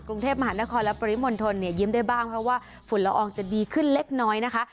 กรุงเทพมหานครและปริมณฑลเนี่ยยิ้มได้บ้างเพราะว่าฝุ่นละอองจะดีขึ้นเล็กน้อยนะคะ